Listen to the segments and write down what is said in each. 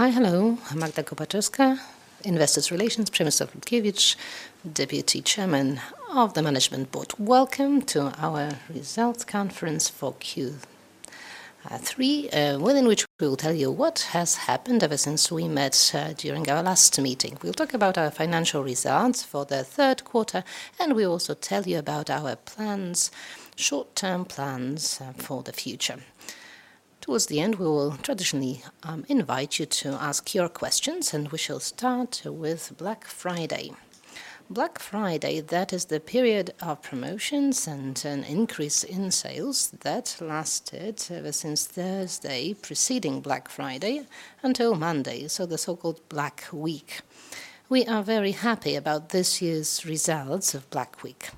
Hi, hello. I'm Magdalena Kopaczewska, Investor Relations, Przemysław Lutkiewicz, Deputy Chairman of the Management Board. Welcome to our results conference for Q3, within which we will tell you what has happened ever since we met during our last meeting. We'll talk about our financial results for the third quarter, and we'll also tell you about our plans, short-term plans, for the future. Towards the end, we will traditionally invite you to ask your questions, and we shall start with Black Friday. Black Friday, that is the period of promotions and an increase in sales that lasted ever since Thursday preceding Black Friday until Monday, so the so-called Black Week. We are very happy about this year's results of Black Week,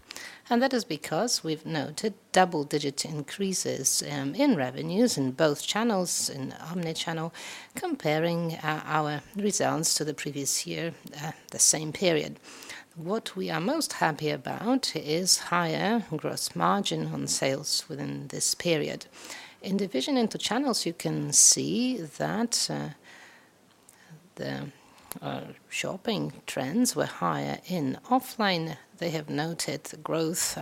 and that is because we've noted double-digit increases in revenues in both channels, in omni-channel, comparing our results to the previous year, the same period. What we are most happy about is higher gross margin on sales within this period. In division into channels, you can see that the shopping trends were higher. In offline, they have noted growth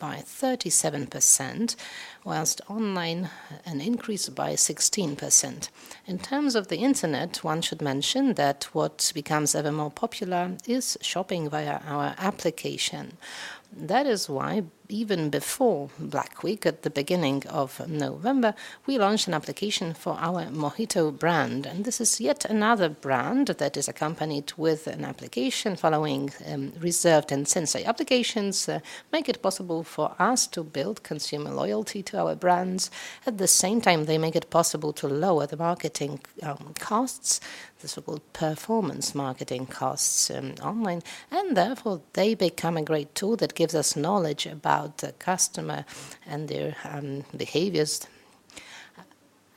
by 37%, while online, an increase by 16%. In terms of the internet, one should mention that what becomes ever more popular is shopping via our application. That is why even before Black Week, at the beginning of November, we launched an application for our Mohito brand, and this is yet another brand that is accompanied with an application following Reserved and Sinsay applications, make it possible for us to build consumer loyalty to our brands. At the same time, they make it possible to lower the marketing costs, the so-called performance marketing costs online, and therefore, they become a great tool that gives us knowledge about the customer and their behaviors,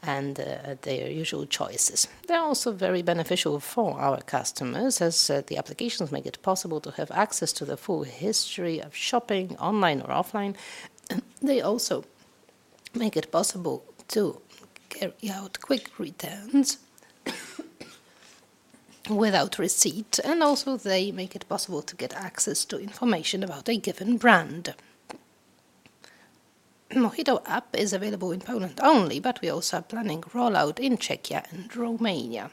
and their usual choices. They're also very beneficial for our customers, as the applications make it possible to have access to the full history of shopping, online or offline, and they also make it possible to carry out quick returns without receipt, and also they make it possible to get access to information about a given brand. Mohito app is available in Poland only, but we also are planning rollout in Czechia and Romania.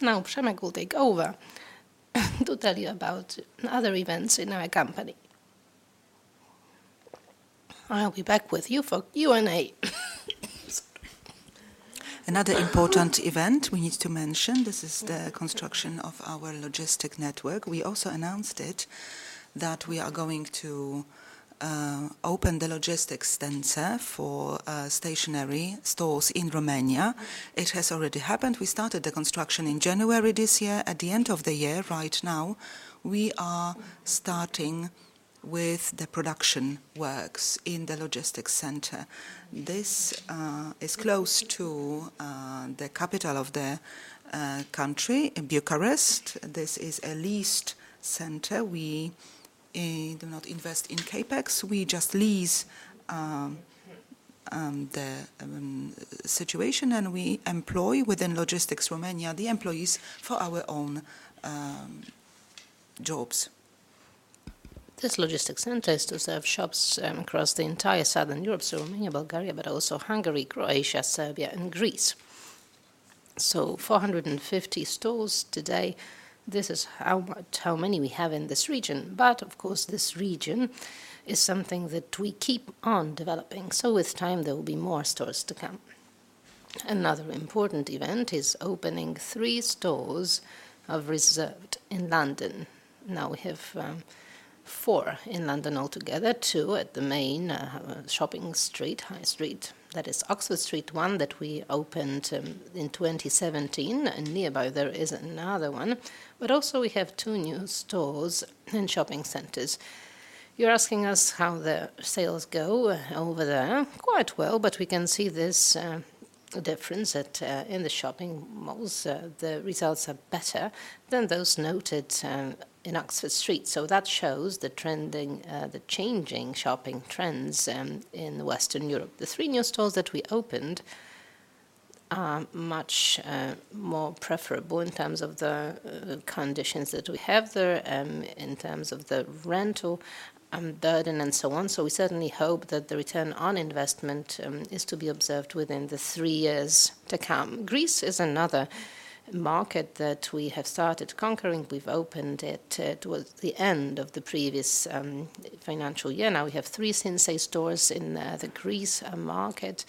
Now, Przemysław will take over to tell you about other events in our company. I'll be back with you for Q&A. Another important event we need to mention, this is the construction of our logistics network. We also announced it, that we are going to open the logistics center for stationary stores in Romania. It has already happened. We started the construction in January this year. At the end of the year, right now, we are starting with the production works in the logistics center. This is close to the capital of the country, in Bucharest. This is a leased center. We do not invest in CapEx, we just lease the situation, and we employ within Logistics Romania the employees for our own jobs. This logistics center is to serve shops across the entire southern Europe, so Romania, Bulgaria, but also Hungary, Croatia, Serbia, and Greece. So 450 stores today, this is how many we have in this region, but of course, this region is something that we keep on developing, so with time, there will be more stores to come. Another important event is opening three stores of Reserved in London. Now, we have four in London altogether, two at the main shopping street, high street, that is Oxford Street, one that we opened in 2017, and nearby, there is another one. But also we have two new stores in shopping centers. You're asking us how the sales go over there. Quite well, but we can see this difference in the shopping malls. The results are better than those noted in Oxford Street. So that shows the trending, the changing shopping trends in Western Europe. The three new stores that we opened are much more preferable in terms of the conditions that we have there in terms of the rental burden, and so on. So we certainly hope that the return on investment is to be observed within the three years to come. Greece is another market that we have started conquering. We've opened it towards the end of the previous financial year. Now, we have three Sinsay stores in the Greece market.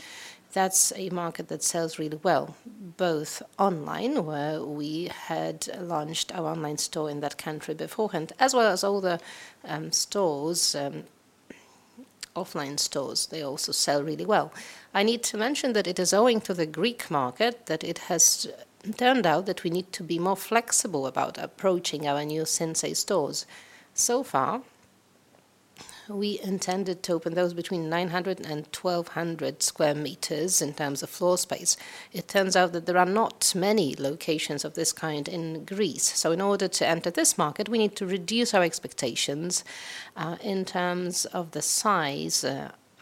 That's a market that sells really well, both online, where we had launched our online store in that country beforehand, as well as all the stores, offline stores. They also sell really well. I need to mention that it is owing to the Greek market, that it has turned out that we need to be more flexible about approaching our new Sinsay stores. We intended to open those between 900 and 1,200 sq m in terms of floor space. It turns out that there are not many locations of this kind in Greece. So in order to enter this market, we need to reduce our expectations in terms of the size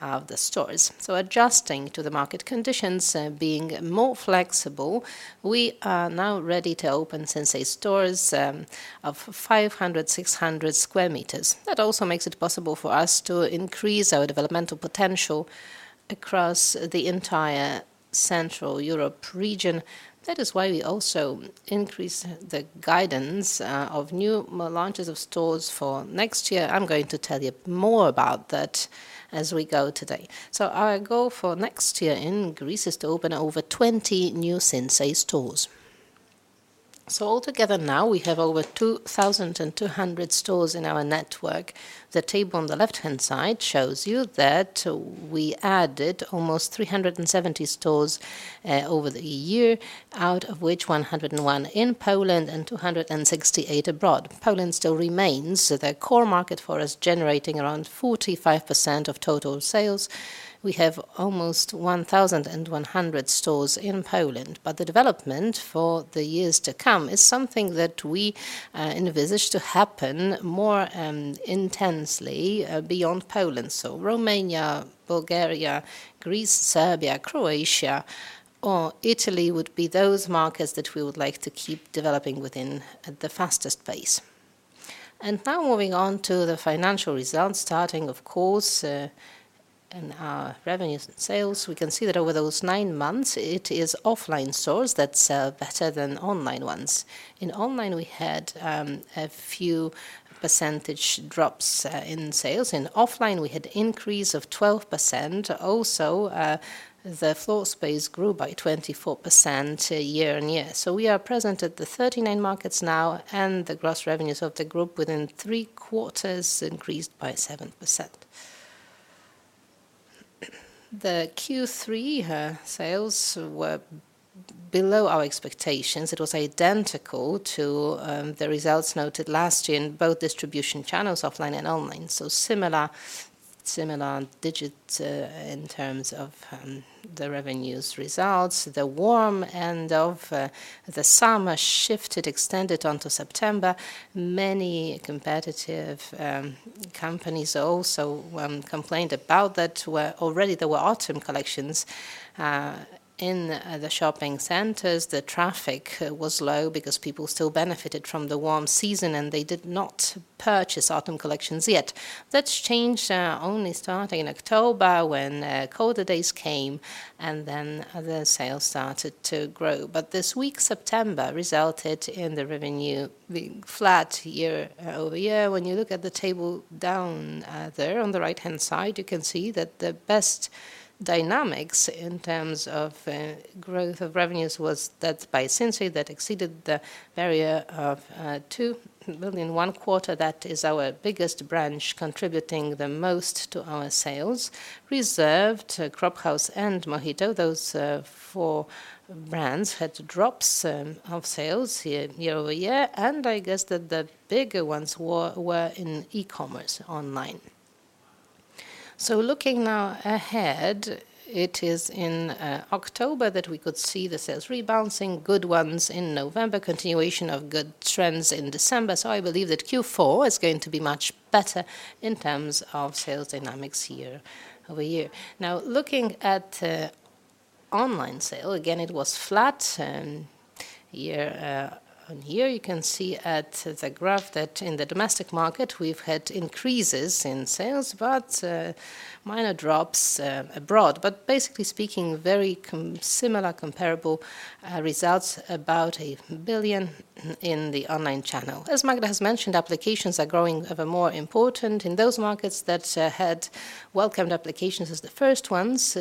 of the stores. So adjusting to the market conditions, being more flexible, we are now ready to open Sinsay stores of 500-600 sq m. That also makes it possible for us to increase our developmental potential across the entire Central Europe region. That is why we also increase the guidance of new launches of stores for next year. I'm going to tell you more about that as we go today. So our goal for next year in Greece is to open over 20 new Sinsay stores. So altogether now, we have over 2,200 stores in our network. The table on the left-hand side shows you that we added almost 370 stores over the year, out of which 101 in Poland and 268 abroad. Poland still remains the core market for us, generating around 45% of total sales. We have almost 1,100 stores in Poland. But the development for the years to come is something that we envisage to happen more intensely beyond Poland. So Romania, Bulgaria, Greece, Serbia, Croatia, or Italy would be those markets that we would like to keep developing within the fastest pace. And now, moving on to the financial results, starting, of course, in our revenues and sales. We can see that over those nine months, it is offline stores that sell better than online ones. In online, we had a few percentage drops in sales. In offline, we had increase of 12%. Also, the floor space grew by 24% year-on-year. So we are present at the 39 markets now, and the gross revenues of the group within three quarters increased by 7%. The Q3 sales were below our expectations. It was identical to the results noted last year in both distribution channels, offline and online. So similar, similar digits in terms of the revenues results. The warm end of the summer shifted, extended onto September. Many competitive companies also complained about that, where already there were autumn collections. In the shopping centers, the traffic was low because people still benefited from the warm season, and they did not purchase autumn collections yet. That's changed only starting in October, when colder days came, and then the sales started to grow. But this week, September, resulted in the revenue being flat year-over-year. When you look at the table down there on the right-hand side, you can see that the best dynamics in terms of growth of revenues was that by Sinsay that exceeded the barrier of 2 million in one quarter. That is our biggest brand, contributing the most to our sales. Reserved, Cropp, House, and Mohito, those four brands had drops of sales year-over-year, and I guess that the bigger ones were in e-commerce, online. So looking now ahead, it is in October that we could see the sales rebounding, good ones in November, continuation of good trends in December. So I believe that Q4 is going to be much better in terms of sales dynamics year-over-year. Now, looking at online sales, again, it was flat year-over-year. You can see at the graph that in the domestic market, we've had increases in sales, but minor drops abroad. But basically speaking, very comparable, similar results, about 1 billion in the online channel. As Magda has mentioned, applications are growing ever more important in those markets that had welcomed applications as the first ones.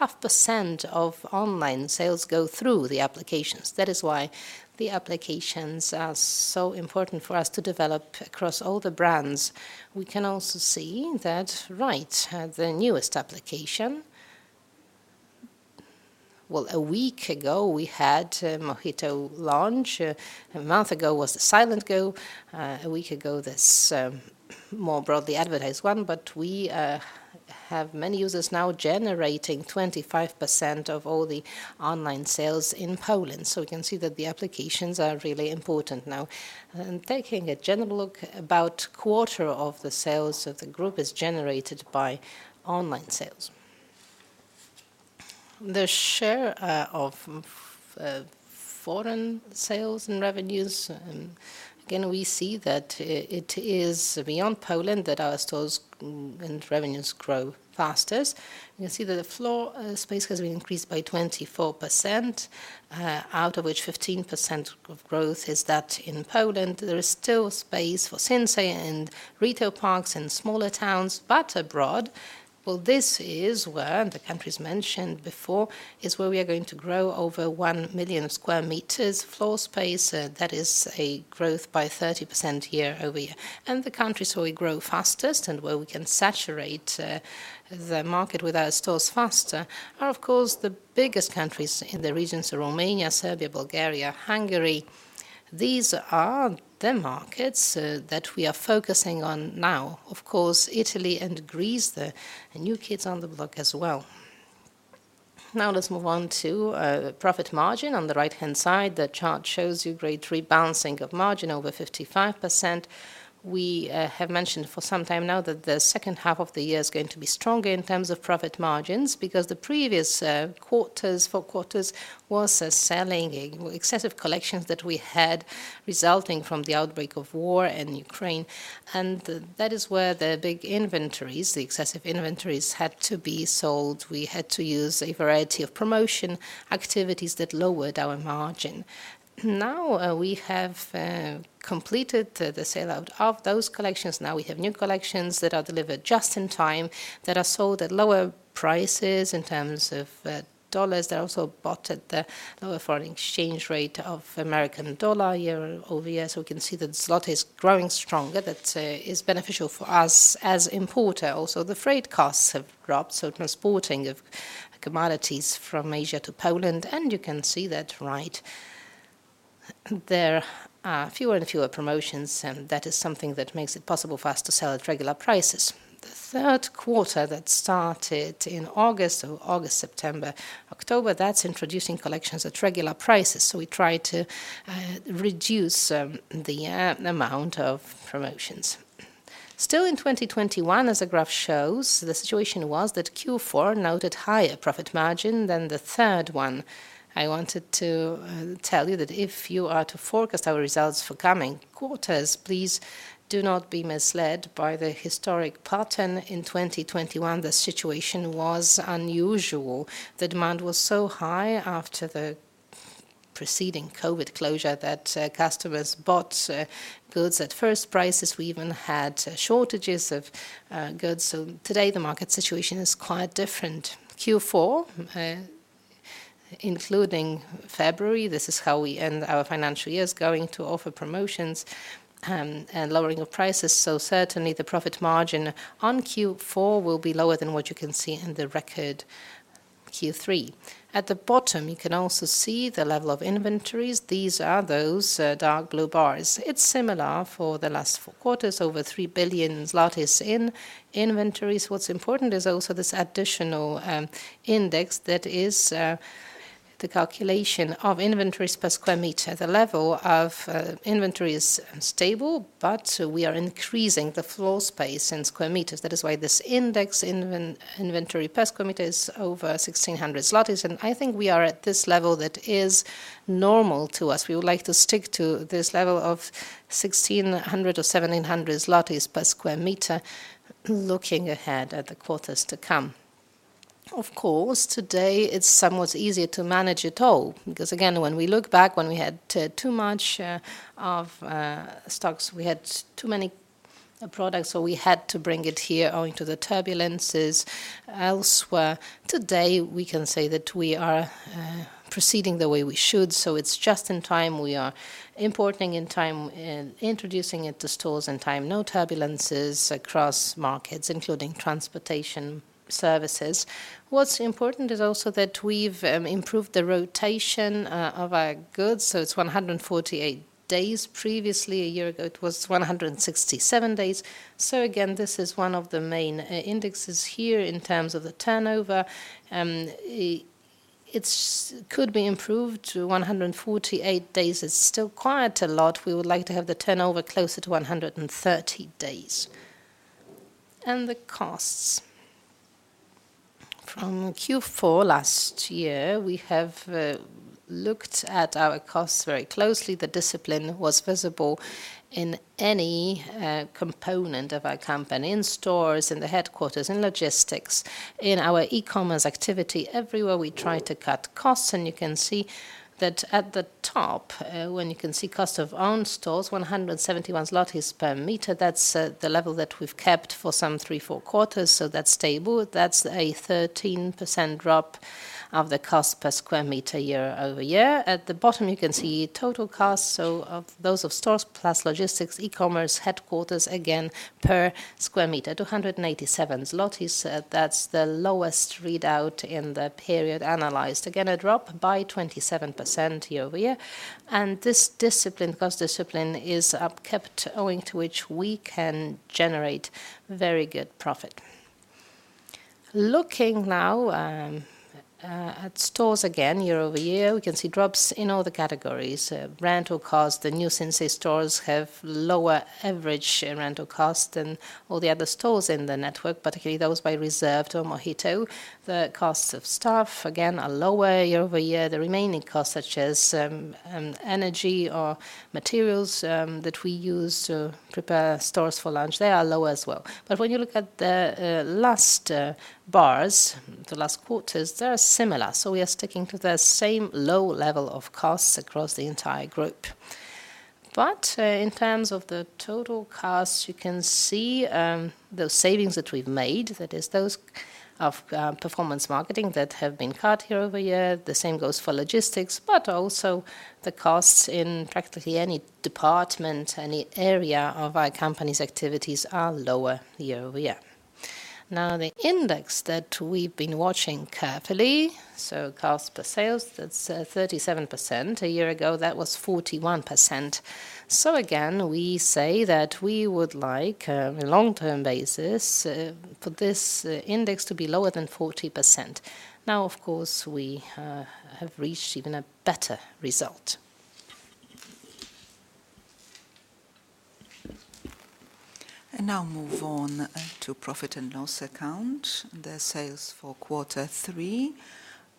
Half percent of online sales go through the applications. That is why the applications are so important for us to develop across all the brands. We can also see that, right, the newest application. Well, a week ago, we had Mohito launch. A month ago was the Sinsay Club. A week ago, this more broadly advertised one. But we have many users now generating 25% of all the online sales in Poland. So we can see that the applications are really important now. Taking a general look, about a quarter of the sales of the group is generated by online sales. The share of foreign sales and revenues, and again, we see that it is beyond Poland that our stores and revenues grow fastest. You can see that the floor space has been increased by 24%, out of which 15% of growth is that in Poland. There is still space for Sinsay in retail parks and smaller towns, but abroad, well, this is where, the countries mentioned before, is where we are going to grow over 1 million sq m floor space. That is a growth by 30% year-over-year. And the countries where we grow fastest and where we can saturate the market with our stores faster are, of course, the biggest countries in the regions of Romania, Serbia, Bulgaria, Hungary. These are the markets that we are focusing on now. Of course, Italy and Greece, the new kids on the block as well. Now, let's move on to profit margin. On the right-hand side, the chart shows you great rebalancing of margin over 55%. We have mentioned for some time now that the second half of the year is going to be stronger in terms of profit margins, because the previous quarters, four quarters, was selling excessive collections that we had, resulting from the outbreak of war in Ukraine. And that is where the big inventories, the excessive inventories, had to be sold. We had to use a variety of promotion activities that lowered our margin. Now we have completed the sale out of those collections. Now we have new collections that are delivered just in time, that are sold at lower prices in terms of dollars. They're also bought at the lower foreign exchange rate of American dollar year-over-year. So we can see that zloty is growing stronger. That is beneficial for us as importer. Also, the freight costs have dropped, so transporting of commodities from Asia to Poland, and you can see that right there are fewer and fewer promotions, and that is something that makes it possible for us to sell at regular prices. The third quarter that started in August, so August, September, October, that's introducing collections at regular prices. So we try to reduce the amount of promotions. Still, in 2021, as the graph shows, the situation was that Q4 noted higher profit margin than the third one. I wanted to tell you that if you are to forecast our results for coming quarters, please do not be misled by the historic pattern. In 2021, the situation was unusual. The demand was so high after the preceding COVID closure, that, customers bought, goods at first prices. We even had shortages of, goods. So today, the market situation is quite different. Q4, including February, this is how we end our financial years, going to offer promotions, and lowering of prices. So certainly, the profit margin on Q4 will be lower than what you can see in the record Q3. At the bottom, you can also see the level of inventories. These are those, dark blue bars. It's similar for the last four quarters, over 3 billion in inventories. What's important is also this additional, index that is, the calculation of inventories per square meter. The level of, inventory is stable, but we are increasing the floor space in square meters. That is why this index inventory per square meter is over 1,600 zlotys. And I think we are at this level that is normal to us. We would like to stick to this level of 1,600 or 1,700 zlotys per sq m, looking ahead at the quarters to come. Of course, today, it's somewhat easier to manage it all, because, again, when we look back, when we had too much of stocks, we had too many products, so we had to bring it here owing to the turbulences elsewhere. Today, we can say that we are proceeding the way we should, so it's just in time. We are importing in time and introducing it to stores in time. No turbulences across markets, including transportation services. What's important is also that we've improved the rotation of our goods, so it's 148 days. Previously, a year ago, it was 167 days. So again, this is one of the main indexes here in terms of the turnover. It could be improved to 148 days. It's still quite a lot. We would like to have the turnover closer to 130 days. And the costs. From Q4 last year, we have looked at our costs very closely. The discipline was visible in any component of our company, in stores, in the headquarters, in logistics, in our e-commerce activity. Everywhere, we tried to cut costs, and you can see that at the top, when you can see cost of owned stores, 171 zlotys per meter, that's the level that we've kept for some 3-4 quarters, so that's stable. That's a 13% drop of the cost per square meter year-over-year. At the bottom, you can see total costs, so of those of stores plus logistics, e-commerce, headquarters, again, per square meter, 297 zlotys. That's the lowest readout in the period analyzed. Again, a drop by 27% year-over-year. And this discipline, cost discipline, is kept, owing to which we can generate very good profit. Looking now at stores again, year-over-year, we can see drops in all the categories. Rental cost, the new Sinsay stores have lower average rental cost than all the other stores in the network, particularly those by Reserved or Mohito. The costs of staff, again, are lower year-over-year. The remaining costs, such as energy or materials that we use to prepare stores for launch, they are lower as well. But when you look at the last bars, the last quarters, they are similar. So we are sticking to the same low level of costs across the entire group. But in terms of the total costs, you can see the savings that we've made, that is those of performance marketing that have been cut year-over-year. The same goes for logistics, but also the costs in practically any department, any area of our company's activities are lower year-over-year.... Now, the index that we've been watching carefully, so cost per sales, that's 37%. A year ago, that was 41%. So again, we say that we would like long-term basis for this index to be lower than 40%. Now, of course, we have reached even a better result. And now move on to profit and loss account. The sales for quarter three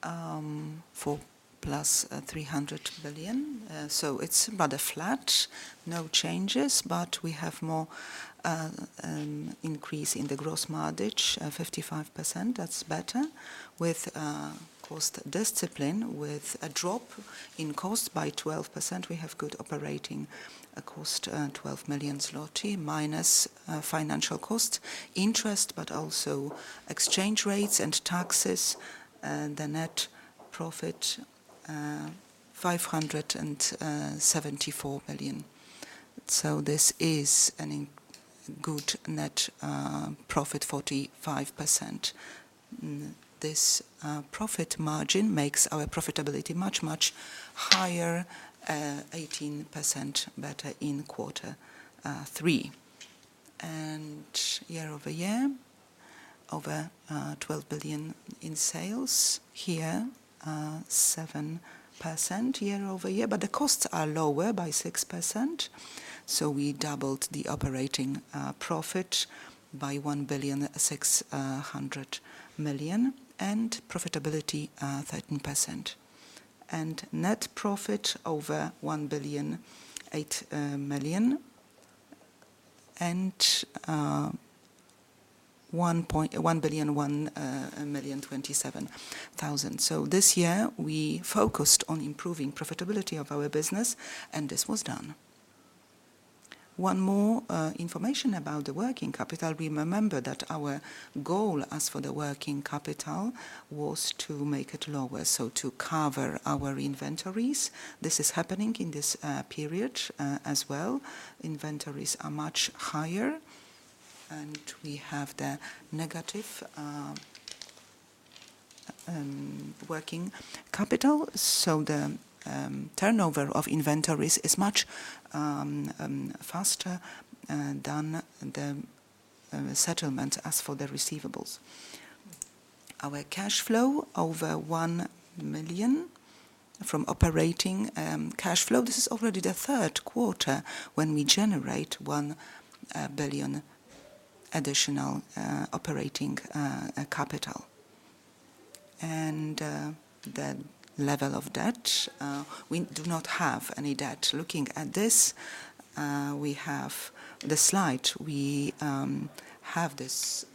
+300 billion. So it's about a flat, no changes, but we have more increase in the gross margin 55%. That's better. With cost discipline, with a drop in cost by 12%, we have good operating cost 12 million zloty, minus financial cost, interest, but also exchange rates and taxes, and the net profit 574 billion. This is a good net profit 45%. This profit margin makes our profitability much, much higher, 18% better in quarter three. Year-over-year, over 12 billion in sales. Here, 7% year-over-year, but the costs are lower by 6%, so we doubled the operating profit by 1.6 billion, and profitability 13%. Net profit over 1,008,000,000 and 1,001,027,000 billion. This year, we focused on improving profitability of our business, and this was done. One more information about the working capital. We remember that our goal, as for the working capital, was to make it lower, so to cover our inventories. This is happening in this period as well. Inventories are much higher, and we have the negative working capital, so the turnover of inventories is much faster than the settlement as for the receivables. Our cash flow over 1 million from operating cash flow. This is already the third quarter when we generate 1 billion additional operating capital. The level of debt, we do not have any debt. Looking at this, we have the slide. We have this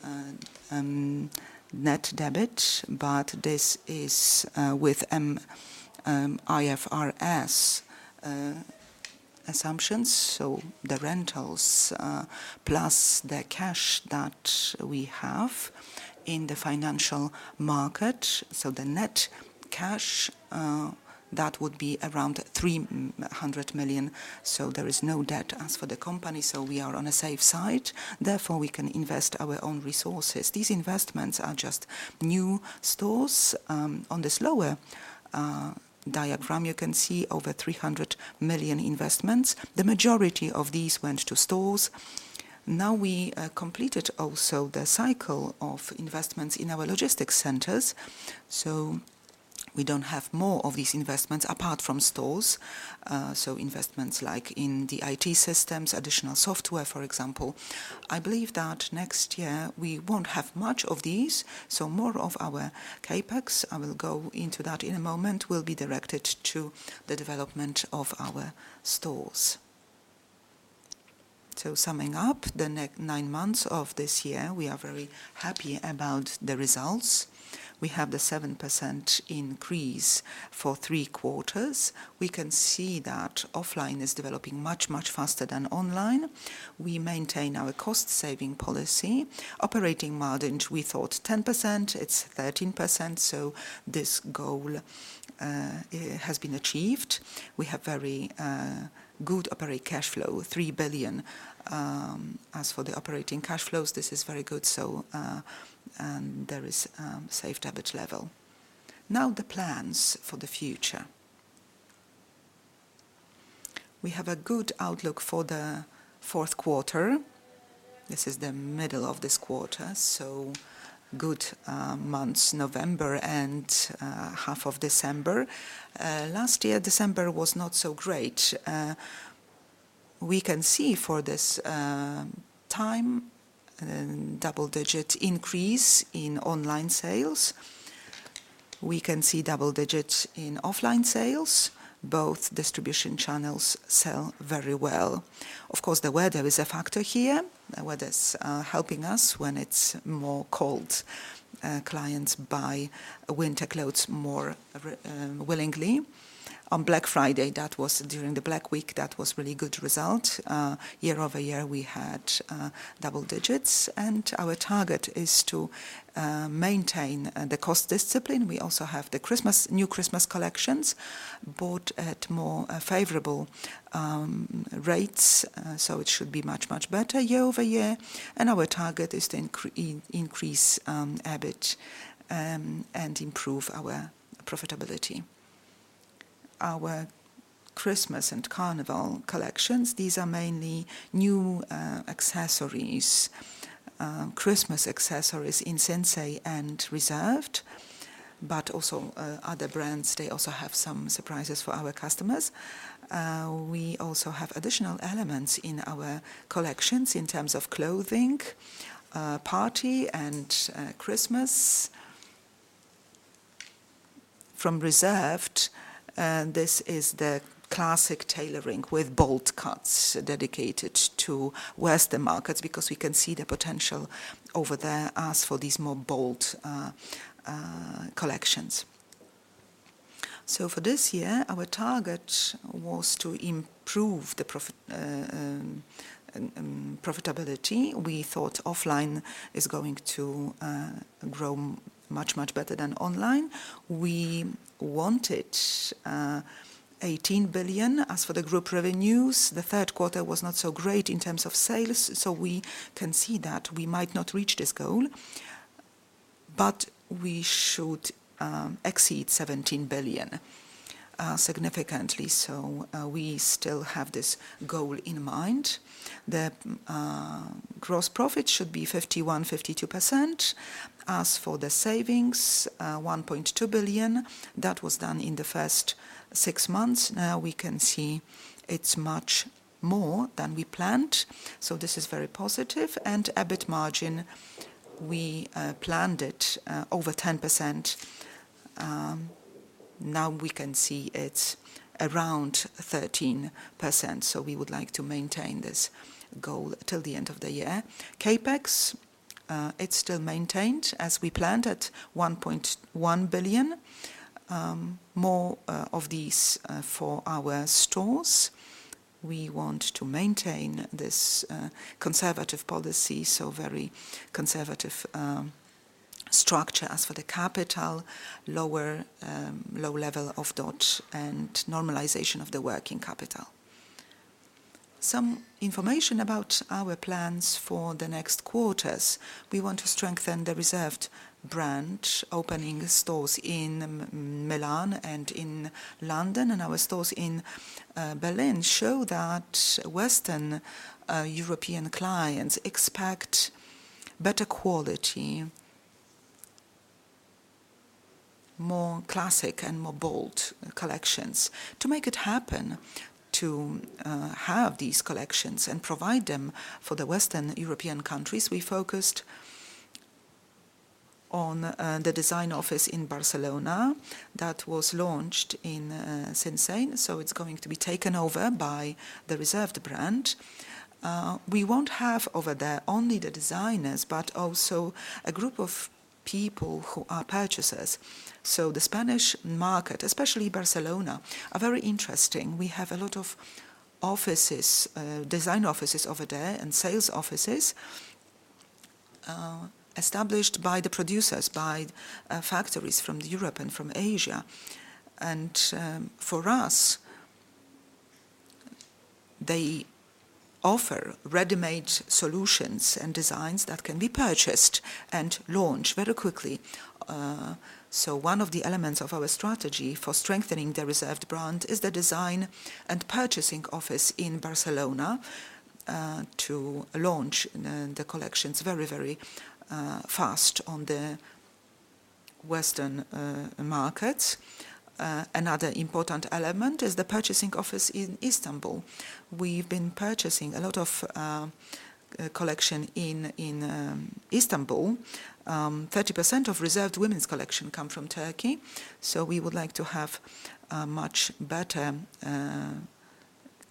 net debt, but this is with IFRS assumptions, so the rentals plus the cash that we have in the financial market. So the net cash that would be around 300 million. So there is no debt as for the company, so we are on a safe side. Therefore, we can invest our own resources. These investments are just new stores. On this lower diagram, you can see over 300 million investments. The majority of these went to stores. Now, we completed also the cycle of investments in our logistics centers, so we don't have more of these investments apart from stores. So investments like in the IT systems, additional software, for example. I believe that next year we won't have much of these, so more of our CapEx, I will go into that in a moment, will be directed to the development of our stores. So summing up, the nine months of this year, we are very happy about the results. We have the 7% increase for three quarters. We can see that offline is developing much, much faster than online. We maintain our cost-saving policy. Operating margin, we thought 10%, it's 13%, so this goal has been achieved. We have very good operating cash flow, 3 billion. As for the operating cash flows, this is very good, so there is safe debt level. Now, the plans for the future. We have a good outlook for the fourth quarter. This is the middle of this quarter, so good months, November and half of December. Last year, December was not so great. We can see for this time double-digit increase in online sales. We can see double digits in offline sales. Both distribution channels sell very well. Of course, the weather is a factor here. The weather is helping us. When it's more cold, clients buy winter clothes more willingly. On Black Friday, that was during the Black Week, that was really good result. Year-over-year, we had double digits, and our target is to maintain the cost discipline. We also have the Christmas, new Christmas collections, bought at more favorable rates, so it should be much, much better year-over-year. Our target is to increase EBIT and improve our profitability. Our Christmas and Carnival collections, these are mainly new accessories, Christmas accessories in Sinsay and Reserved, but also other brands, they also have some surprises for our customers. We also have additional elements in our collections in terms of clothing, party, and Christmas. From Reserved, this is the classic tailoring with bold cuts dedicated to Western markets, because we can see the potential over there as for these more bold collections. So for this year, our target was to improve the profitability. We thought offline is going to grow much, much better than online. We wanted 18 billion. As for the group revenues, the third quarter was not so great in terms of sales, so we can see that we might not reach this goal, but we should exceed 17 billion significantly. So we still have this goal in mind. The gross profit should be 51%-52%. As for the savings, 1.2 billion, that was done in the first six months. Now, we can see it's much more than we planned, so this is very positive. EBIT margin, we planned it over 10%. Now we can see it's around 13%, so we would like to maintain this goal till the end of the year. CapEx, it's still maintained as we planned at 1.1 billion, more of these for our stores. We want to maintain this conservative policy, so very conservative structure. As for the capital, lower low level of debt and normalization of the working capital. Some information about our plans for the next quarters. We want to strengthen the Reserved brand, opening stores in Milan and in London, and our stores in Berlin show that Western European clients expect better quality, more classic and more bold collections. To make it happen, to have these collections and provide them for the Western European countries, we focused on the design office in Barcelona that was launched in 2016. So it's going to be taken over by the Reserved brand. We won't have over there only the designers, but also a group of people who are purchasers. So the Spanish market, especially Barcelona, are very interesting. We have a lot of offices, design offices over there and sales offices, established by the producers, by factories from Europe and from Asia. And for us, they offer ready-made solutions and designs that can be purchased and launched very quickly. So one of the elements of our strategy for strengthening the Reserved brand is the design and purchasing office in Barcelona to launch the collections very, very fast on the Western markets. Another important element is the purchasing office in Istanbul. We've been purchasing a lot of collection in Istanbul. 30% of Reserved women's collection come from Turkey, so we would like to have a much better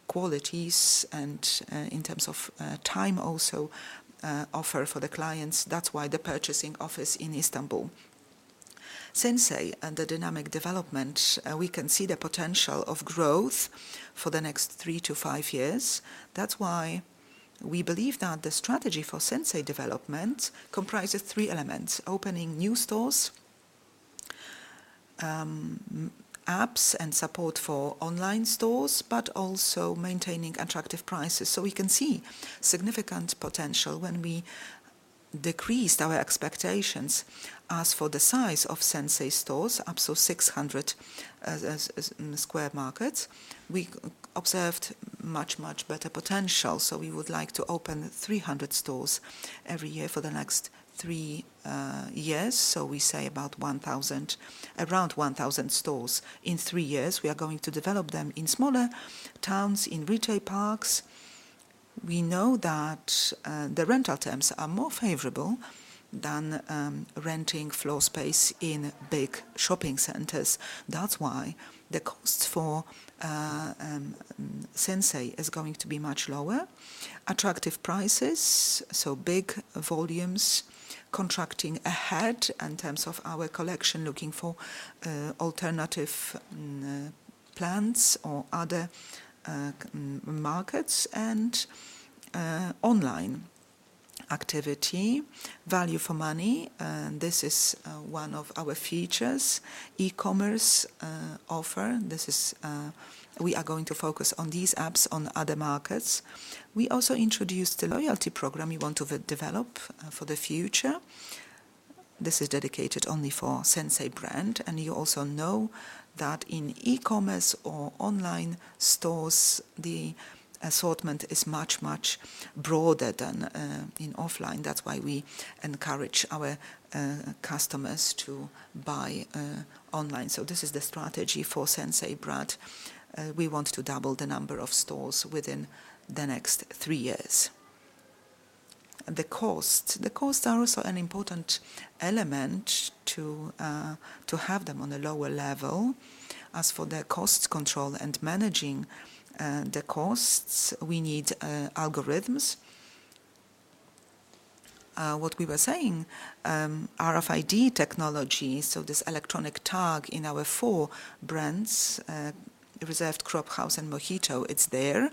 qualities and in terms of time also offer for the clients. That's why the purchasing office in Istanbul. Sinsay and the dynamic development, we can see the potential of growth for the next 3-5 years. That's why we believe that the strategy for Sinsay development comprises three elements: opening new stores, apps and support for online stores, but also maintaining attractive prices. So we can see significant potential when we decreased our expectations as for the size of Sinsay stores up to 600 sq m. We observed much, much better potential, so we would like to open 300 stores every year for the next three years, so we say about 1,000- around 1,000 stores in three years. We are going to develop them in smaller towns, in retail parks. We know that the rental terms are more favorable than renting floor space in big shopping centers. That's why the cost for Sinsay is going to be much lower. Attractive prices, so big volumes, contracting ahead in terms of our collection, looking for alternative plans or other markets and online activity. Value for money, this is one of our features. E-commerce offer, this is. We are going to focus on these apps on other markets. We also introduced the loyalty program we want to develop for the future. This is dedicated only for Sinsay brand, and you also know that in e-commerce or online stores, the assortment is much, much broader than in offline. That's why we encourage our customers to buy online. So this is the strategy for Sinsay brand. We want to double the number of stores within the next three years. The cost. The costs are also an important element to have them on a lower level. As for the cost control and managing the costs, we need algorithms. What we were saying, RFID technology, so this electronic tag in our four brands, Reserved, Cropp, House, and Mohito, it's there,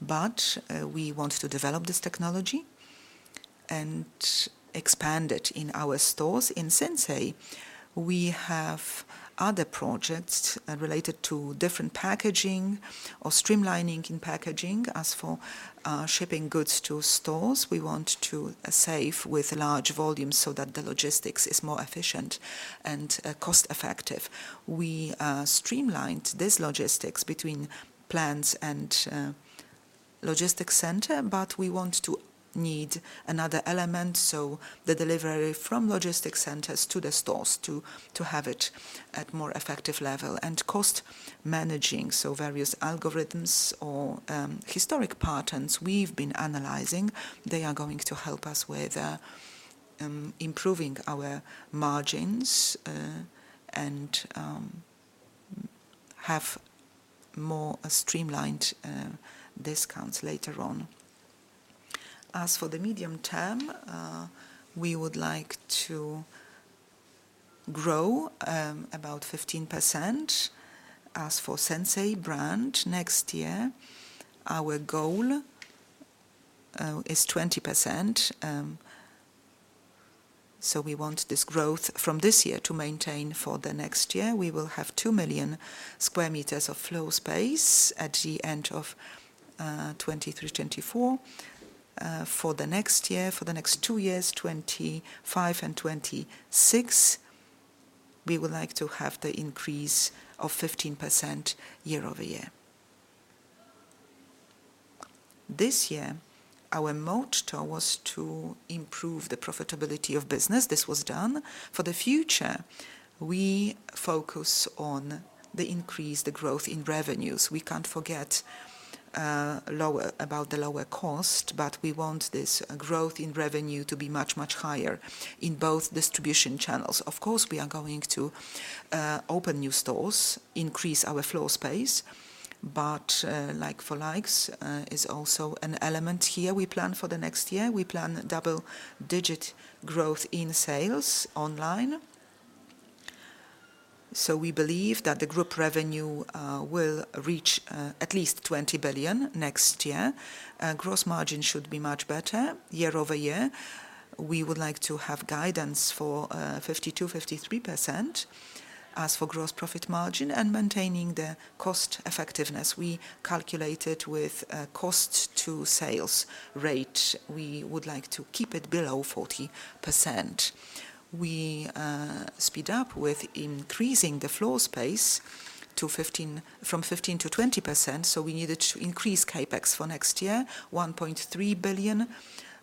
but we want to develop this technology and expand it in our stores. In Sinsay, we have other projects related to different packaging or streamlining in packaging. As for shipping goods to stores, we want to save with large volumes so that the logistics is more efficient and cost-effective. We streamlined this logistics between plants and logistics center, but we want to need another element, so the delivery from logistics centers to the stores to have it at more effective level. And cost managing, so various algorithms or historic patterns we've been analyzing, they are going to help us with improving our margins and have more streamlined discounts later on. As for the medium term, we would like to grow about 15%. As for Sinsay brand, next year, our goal is 20%. We want this growth from this year to maintain for the next year. We will have 2 million sq m of floor space at the end of 2023, 2024. For the next year, for the next two years, 2025 and 2026, we would like to have the increase of 15% year-over-year. This year, our motto was to improve the profitability of business. This was done. For the future, we focus on the increase, the growth in revenues. We can't forget lower, about the lower cost, but we want this growth in revenue to be much, much higher in both distribution channels. Of course, we are going to open new stores, increase our floor space, but like-for-likes is also an element here. We plan for the next year. We plan double-digit growth in sales online. So we believe that the group revenue will reach at least 20 billion next year. Gross margin should be much better year-over-year. We would like to have guidance for 52%-53%. As for gross profit margin and maintaining the cost effectiveness, we calculated with cost to sales rate. We would like to keep it below 40%. We speed up with increasing the floor space to 15... from 15%-20%, so we needed to increase CapEx for next year, 1.3 billion,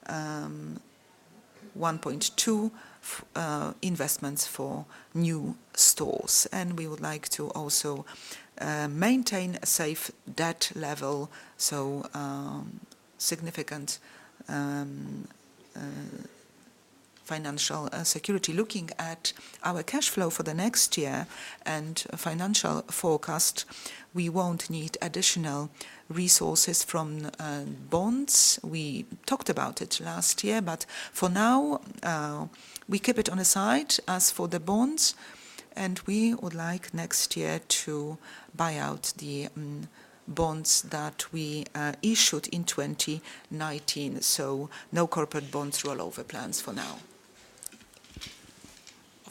1.2 billion investments for new stores. And we would like to also maintain a safe debt level, so significant financial security. Looking at our cash flow for the next year and financial forecast, we won't need additional resources from bonds. We talked about it last year, but for now we keep it on the side as for the bonds, and we would like next year to buy out the bonds that we issued in 2019. So no corporate bonds rollover plans for now.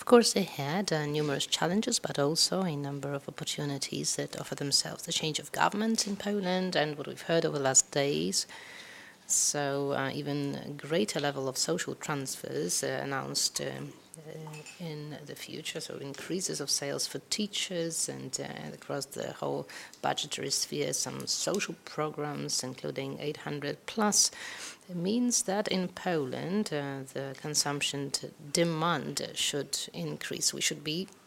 Of course, ahead numerous challenges, but also a number of opportunities that offer themselves. The change of government in Poland and what we've heard over the last days. So, even greater level of social transfers announced in the future, so increases of sales for teachers and across the whole budgetary sphere, some social programs, including 800+. It means that in Poland, the consumption to demand should increase. We should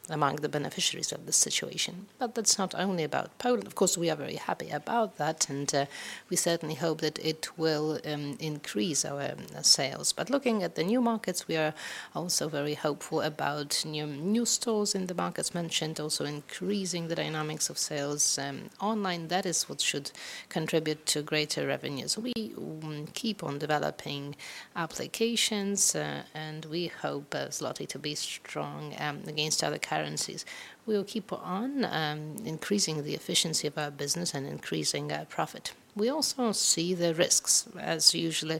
be among the beneficiaries of this situation. But that's not only about Poland. Of course, we are very happy about that, and we certainly hope that it will increase our sales. But looking at the new markets, we are also very hopeful about new stores in the markets mentioned, also increasing the dynamics of sales online. That is what should contribute to greater revenues. We will keep on developing applications, and we hope zloty to be strong against other currencies. We will keep on increasing the efficiency of our business and increasing profit. We also see the risks as usually.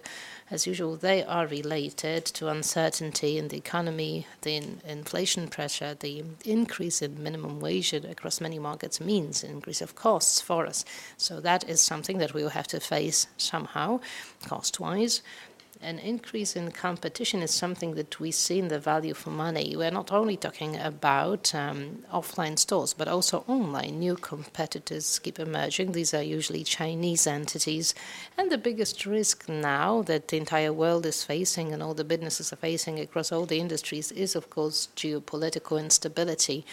As usual, they are related to uncertainty in the economy, the inflation pressure. The increase in minimum wage across many markets means increase of costs for us. So that is something that we will have to face somehow, cost-wise. An increase in competition is something that we see in the value for money. We're not only talking about offline stores, but also online. New competitors keep emerging. These are usually Chinese entities. And the biggest risk now that the entire world is facing and all the businesses are facing across all the industries is, of course, geopolitical instability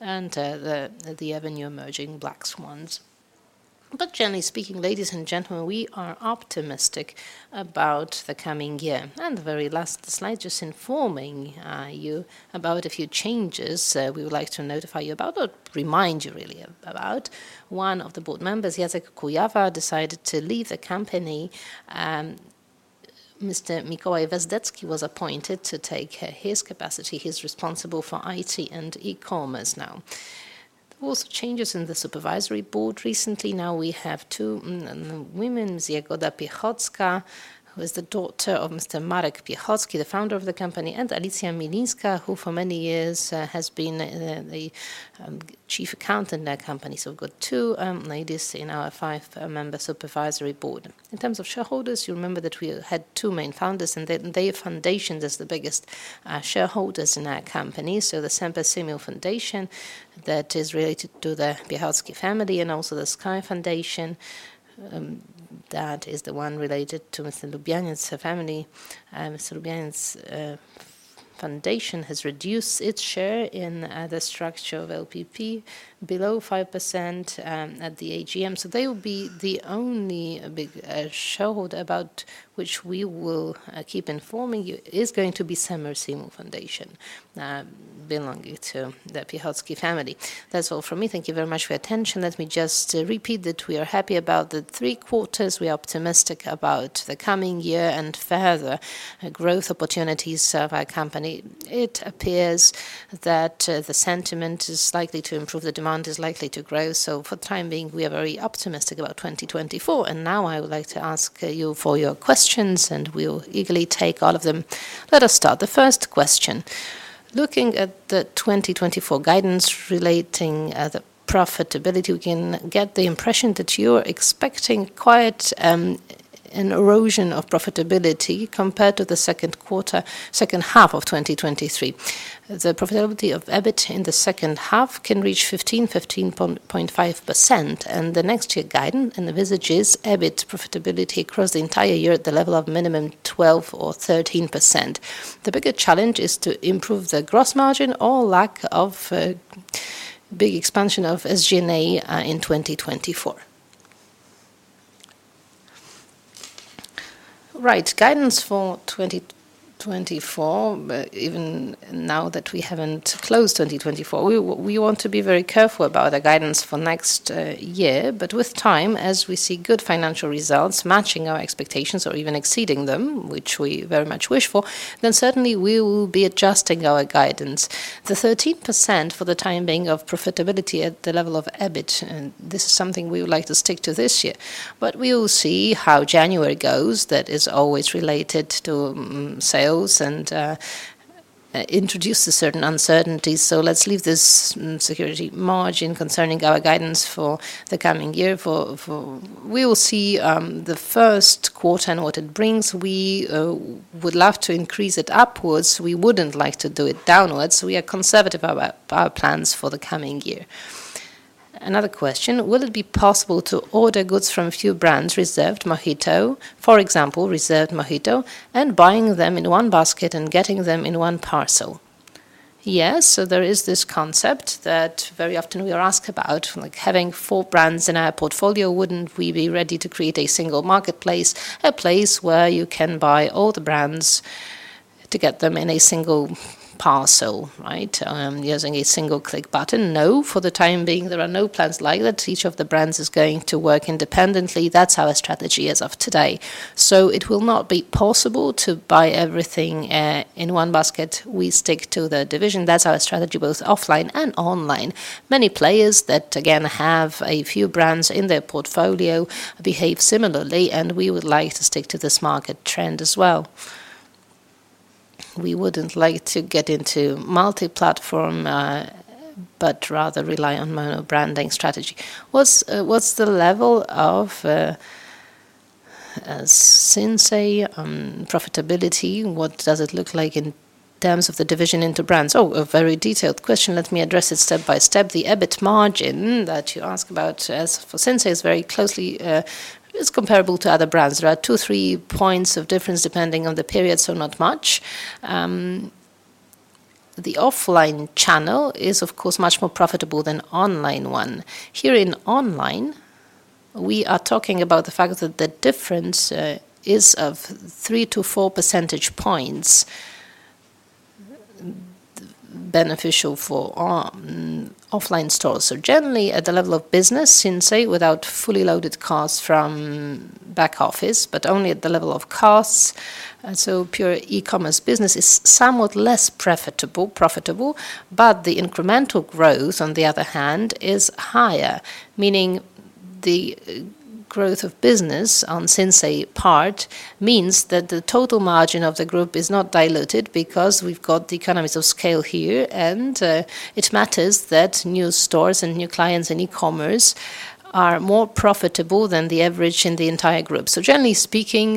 and the ever-emerging black swans. But generally speaking, ladies and gentlemen, we are optimistic about the coming year. And the very last slide, just informing you about a few changes we would like to notify you about or remind you really about. One of the board members, Jacek Kujawa, decided to leave the company. Mr. Mikołaj Wezdecki was appointed to take his capacity. He's responsible for IT and e-commerce now. There was changes in the supervisory board recently. Now we have two women, Ms. Jagoda Piechocka, who is the daughter of Mr. Marek Piechocki, the founder of the company, and Alicja Milińska, who for many years has been the chief accountant in our company. So we've got two ladies in our five-member supervisory board. In terms of shareholders, you remember that we had two main founders, and then their foundations is the biggest shareholders in our company. So the Semper Simul Foundation, that is related to the Piechocki family, and also the Sky Foundation, that is the one related to Mr. Lubianiec's family. Mr. Lubianiec's foundation has reduced its share in the structure of LPP below 5%, at the AGM. So they will be the only big shareholder about which we will keep informing you, is going to be Semper Simul Foundation, belonging to the Piechocki family. That's all from me. Thank you very much for your attention. Let me just repeat that we are happy about the three quarters. We are optimistic about the coming year and further growth opportunities of our company. It appears that the sentiment is likely to improve, the demand is likely to grow, so for the time being, we are very optimistic about 2024. Now I would like to ask you for your questions, and we'll eagerly take all of them. Let us start. The first question: looking at the 2024 guidance relating to the profitability, we can get the impression that you're expecting quite an erosion of profitability compared to the second quarter, second half of 2023. The profitability of EBIT in the second half can reach 15.5%, and the next year guidance and the average is EBIT profitability across the entire year at the level of minimum 12%-13%. The bigger challenge is to improve the gross margin or lack of big expansion of SG&A in 2024. Right. Guidance for 2024, but even now that we haven't closed 2024, we, we want to be very careful about the guidance for next year. But with time, as we see good financial results matching our expectations or even exceeding them, which we very much wish for, then certainly we will be adjusting our guidance. The 13%, for the time being, of profitability at the level of EBIT, and this is something we would like to stick to this year. But we will see how January goes. That is always related to sales and introduces certain uncertainties. So let's leave this security margin concerning our guidance for the coming year. We will see the first quarter and what it brings. We would love to increase it upwards. We wouldn't like to do it downwards, so we are conservative about our plans for the coming year. Another question: Will it be possible to order goods from a few brands, Reserved, Mohito, for example, Reserved, Mohito, and buying them in one basket and getting them in one parcel? Yes, so there is this concept that very often we are asked about, like having four brands in our portfolio, wouldn't we be ready to create a single marketplace, a place where you can buy all the brands to get them in a single parcel, right? Using a single click button. No, for the time being, there are no plans like that. Each of the brands is going to work independently. That's our strategy as of today. So it will not be possible to buy everything, in one basket. We stick to the division. That's our strategy, both offline and online. Many players that, again, have a few brands in their portfolio behave similarly, and we would like to stick to this market trend as well. We wouldn't like to get into multi-platform, but rather rely on mono branding strategy. What's the level of Sinsay profitability? What does it look like in terms of the division into brands? Oh, a very detailed question. Let me address it step by step. The EBIT margin that you ask about, as for Sinsay, is very closely, is comparable to other brands. There are 2-3 points of difference depending on the period, so not much. The offline channel is, of course, much more profitable than online one. Here in online, we are talking about the fact that the difference is of 3-4 percentage points beneficial for offline stores. So generally, at the level of business, Sinsay, without fully loaded costs from back office, but only at the level of costs, so pure e-commerce business is somewhat less profitable, profitable, but the incremental growth, on the other hand, is higher, meaning the growth of business on Sinsay part means that the total margin of the group is not diluted because we've got the economies of scale here, and it matters that new stores and new clients in e-commerce are more profitable than the average in the entire group. So generally speaking,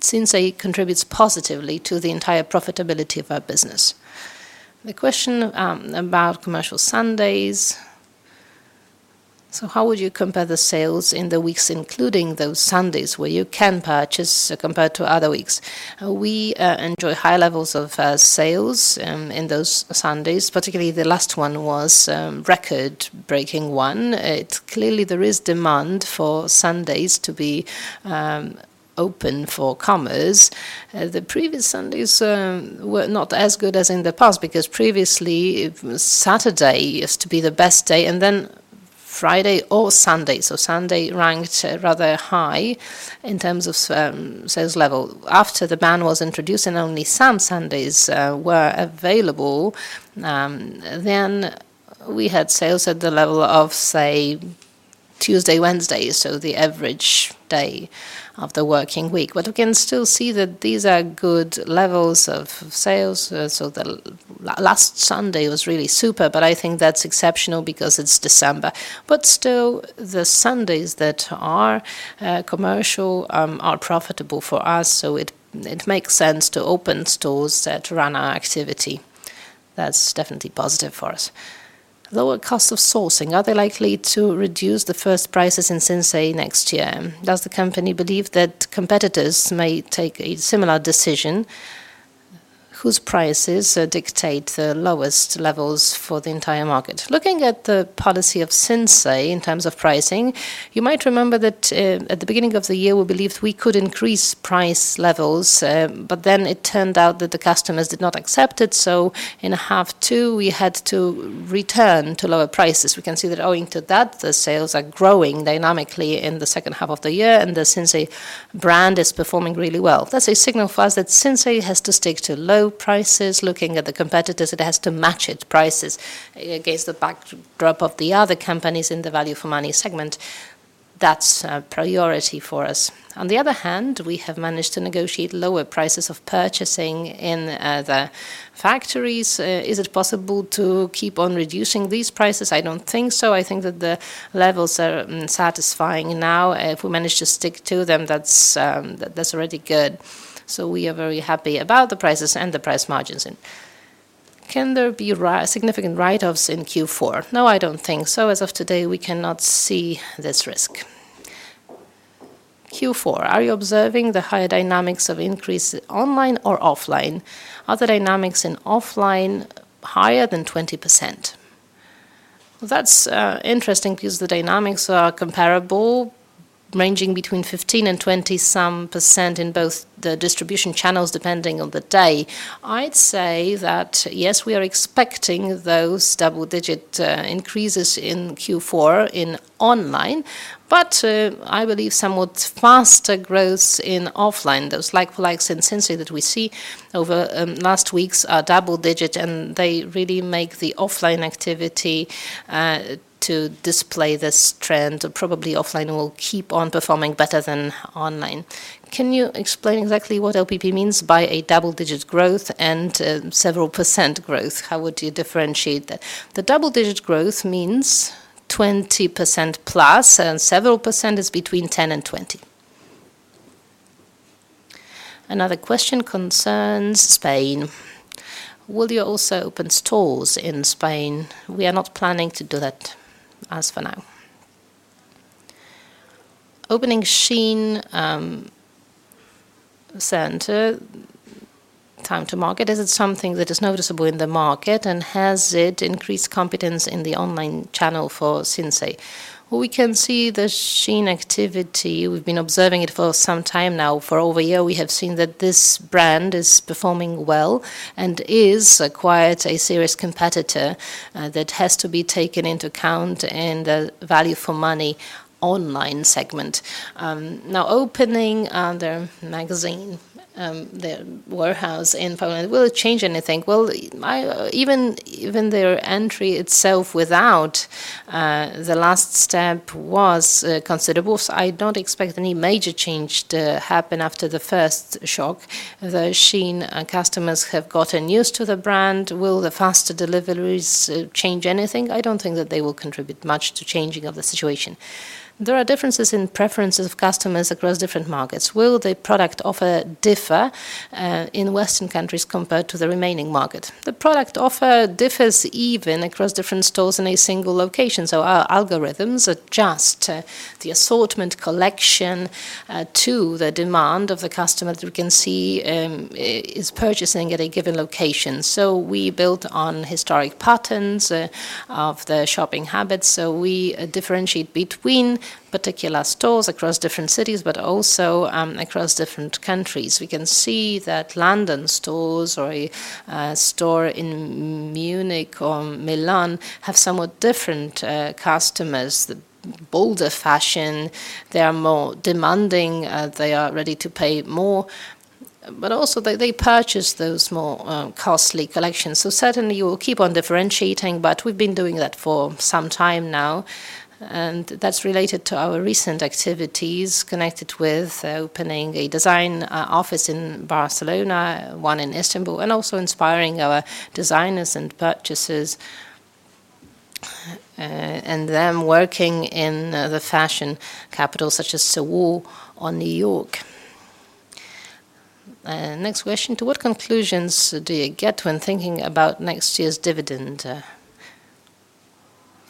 Sinsay contributes positively to the entire profitability of our business. The question about commercial Sundays. So how would you compare the sales in the weeks, including those Sundays, where you can purchase, compared to other weeks? We enjoy high levels of sales in those Sundays, particularly the last one was record-breaking one. It's clearly there is demand for Sundays to be open for commerce. The previous Sundays were not as good as in the past, because previously, it was Saturday used to be the best day, and then Friday or Sunday. So Sunday ranked rather high in terms of sales level. After the ban was introduced, and only some Sundays were available, then we had sales at the level of, say, Tuesday, Wednesday, so the average day of the working week. But we can still see that these are good levels of sales, so the last Sunday was really super, but I think that's exceptional because it's December. But still, the Sundays that are commercial are profitable for us, so it makes sense to open stores and to run our activity. That's definitely positive for us. Lower cost of sourcing, are they likely to reduce the first prices in Sinsay next year? Does the company believe that competitors may take a similar decision, whose prices dictate the lowest levels for the entire market? Looking at the policy of Sinsay in terms of pricing, you might remember that at the beginning of the year, we believed we could increase price levels, but then it turned out that the customers did not accept it, so in half two, we had to return to lower prices. We can see that owing to that, the sales are growing dynamically in the second half of the year, and the Sinsay brand is performing really well. That's a signal for us that Sinsay has to stick to low prices. Looking at the competitors, it has to match its prices. Against the backdrop of the other companies in the value for money segment, that's a priority for us. On the other hand, we have managed to negotiate lower prices of purchasing in the factories. Is it possible to keep on reducing these prices? I don't think so. I think that the levels are satisfying now. If we manage to stick to them, that's already good. So we are very happy about the prices and the price margins. Can there be significant write-offs in Q4? No, I don't think so. As of today, we cannot see this risk. Q4, are you observing the higher dynamics of increase online or offline? Are the dynamics in offline higher than 20%? That's interesting because the dynamics are comparable, ranging between 15% and some 20% in both the distribution channels, depending on the day. I'd say that, yes, we are expecting those double-digit increases in Q4 in online, but I believe somewhat faster growth in offline. Those like for likes in Sinsay that we see over last weeks are double-digit, and they really make the offline activity to display this trend. Probably offline will keep on performing better than online. Can you explain exactly what LPP means by a double-digit growth and several percent growth? How would you differentiate that? The double-digit growth means 20%+, and several percent is between 10% and 20%. Another question concerns Spain. Will you also open stores in Spain? We are not planning to do that as for now. Opening Shein center, time to market, is it something that is noticeable in the market, and has it increased competition in the online channel for Sinsay? We can see the Shein activity. We've been observing it for some time now. For over a year, we have seen that this brand is performing well and is quite a serious competitor that has to be taken into account in the value for money online segment. Now, opening their warehouse in Poland, will it change anything? Well, even their entry itself without the last step was considerable. So I don't expect any major change to happen after the first shock. The Shein customers have gotten used to the brand. Will the faster deliveries change anything? I don't think that they will contribute much to changing of the situation. There are differences in preferences of customers across different markets. Will the product offer differ in Western countries compared to the remaining market? The product offer differs even across different stores in a single location, so our algorithms adjust the assortment collection to the demand of the customer that we can see is purchasing at a given location. So we built on historic patterns of the shopping habits, so we differentiate between particular stores across different cities, but also across different countries. We can see that London stores or a store in Munich or Milan have somewhat different customers, the bolder fashion. They are more demanding, they are ready to pay more, but also they purchase those more costly collections. So certainly, we will keep on differentiating, but we've been doing that for some time now, and that's related to our recent activities connected with opening a design office in Barcelona, one in Istanbul, and also inspiring our designers and purchasers and them working in the fashion capitals such as Seoul or New York. Next question: To what conclusions do you get when thinking about next year's dividend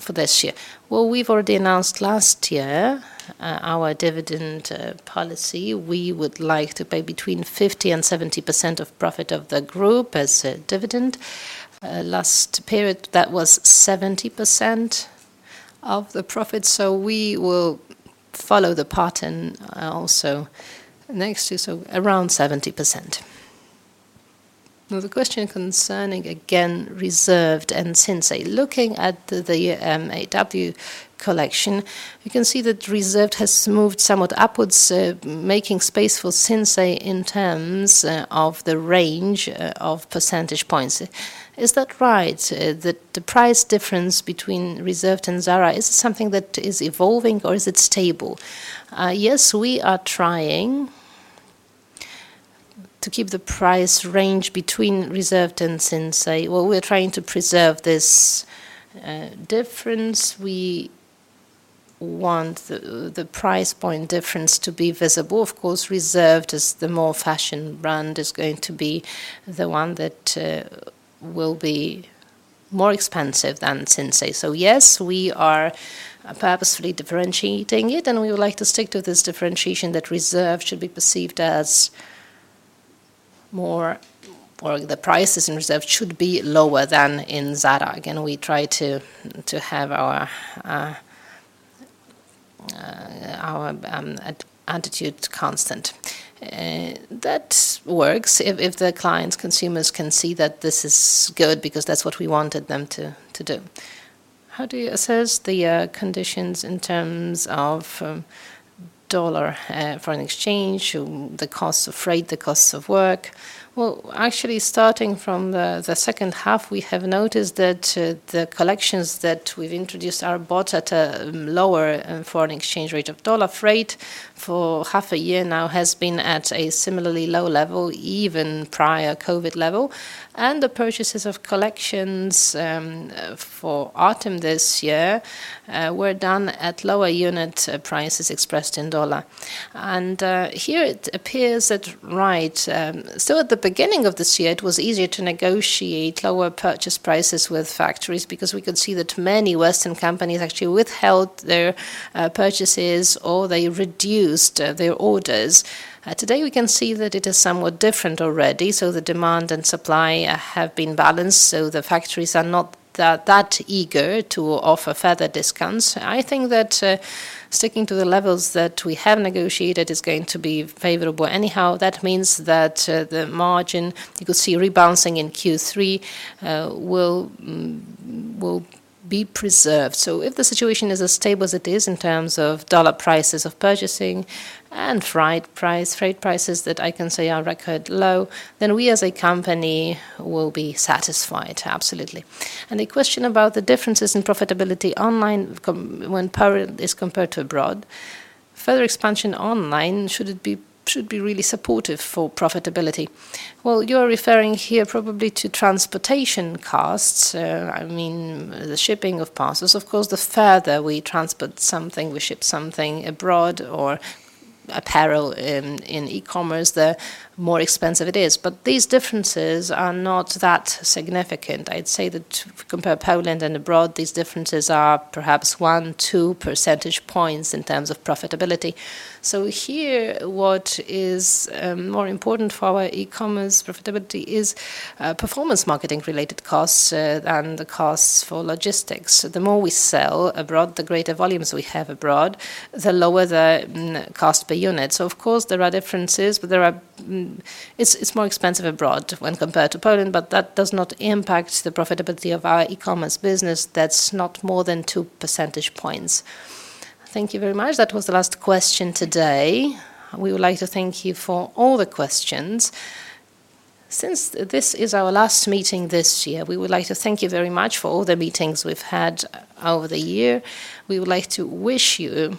for this year? Well, we've already announced last year our dividend policy. We would like to pay between 50% and 70% of profit of the group as a dividend. Last period, that was 70% of the profit, so we will follow the pattern also next year, so around 70%. Now, the question concerning, again, Reserved and Sinsay. Looking at the AW collection, you can see that Reserved has moved somewhat upwards, making space for Sinsay in terms of the range of percentage points. Is that right? The price difference between Reserved and Zara, is it something that is evolving, or is it stable? Yes, we are trying to keep the price range between Reserved and Sinsay. Well, we're trying to preserve this difference. We want the price point difference to be visible. Of course, Reserved, as the more fashion brand, is going to be the one that will be more expensive than Sinsay. So yes, we are purposefully differentiating it, and we would like to stick to this differentiation that Reserved should be perceived as more... or the prices in Reserved should be lower than in Zara. Again, we try to have our attitude constant. That works if the clients, consumers can see that this is good because that's what we wanted them to do. How do you assess the conditions in terms of dollar foreign exchange, the costs of freight, the costs of work? Well, actually, starting from the second half, we have noticed that the collections that we've introduced are bought at a lower foreign exchange rate of the U.S. dollar. Freight, for half a year now, has been at a similarly low level, even prior COVID level. And the purchases of collections for autumn this year were done at lower unit prices expressed in the U.S. dollar. Here it appears that, right, so at the beginning of this year, it was easier to negotiate lower purchase prices with factories because we could see that many Western companies actually withheld their purchases, or they reduced their orders. Today, we can see that it is somewhat different already, so the demand and supply have been balanced, so the factories are not that, that eager to offer further discounts. I think that sticking to the levels that we have negotiated is going to be favorable anyhow. That means that the margin you could see rebounding in Q3 will be preserved. So if the situation is as stable as it is in terms of US dollar prices, of purchasing and freight prices that I can say are record low, then we, as a company, will be satisfied, absolutely. A question about the differences in profitability online commerce when Poland is compared to abroad. Further expansion online should be really supportive for profitability. Well, you're referring here probably to transportation costs, I mean, the shipping of parcels. Of course, the further we transport something, we ship something abroad or apparel in e-commerce, the more expensive it is. But these differences are not that significant. I'd say that to compare Poland and abroad, these differences are perhaps 1-2 percentage points in terms of profitability. So here, what is more important for our e-commerce profitability is performance marketing-related costs and the costs for logistics. The more we sell abroad, the greater volumes we have abroad, the lower the cost per unit. So of course, there are differences, but there are... It's more expensive abroad when compared to Poland, but that does not impact the profitability of our e-commerce business. That's not more than two percentage points. Thank you very much. That was the last question today. We would like to thank you for all the questions. Since this is our last meeting this year, we would like to thank you very much for all the meetings we've had over the year. We would like to wish you-